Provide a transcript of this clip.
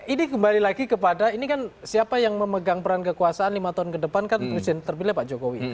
ini kembali lagi kepada ini kan siapa yang memegang peran kekuasaan lima tahun ke depan kan presiden terpilih pak jokowi